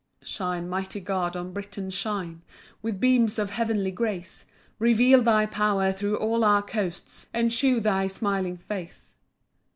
1 Shine, mighty God, on Britain shine With beams of heavenly grace; Reveal thy power thro' all our coasts, And shew thy smiling face.